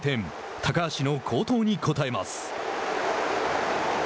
高橋の好投に応えます。